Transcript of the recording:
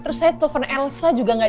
terus saya telefon elsa juga gak diangkat